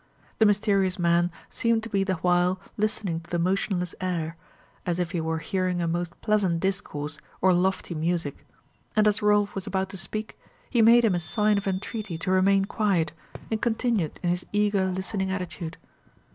The mysterious man seemed to be the while listening to the motionless air, as if he were hearing a most pleasant discourse or lofty music; and as Rolf was about to speak, he made him a sign of entreaty to remain quiet, and continued in his eager listening attitude.